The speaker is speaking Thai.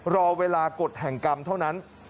รอเวลากฎแห่งกรรมเท่านั้น